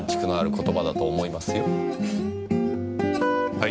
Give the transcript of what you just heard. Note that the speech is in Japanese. はい。